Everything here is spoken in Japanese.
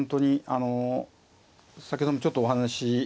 あの先ほどもちょっとお話し